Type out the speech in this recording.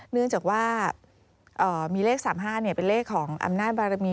เนื่องจากว่ามีเลข๓๕เป็นเลขของอำนาจบารมี